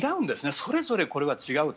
それぞれこれは違うと。